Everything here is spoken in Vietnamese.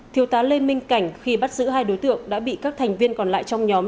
thiếu tá lê minh cảnh khi bắt giữ hai đối tượng đã bị các thành viên còn lại trong nhóm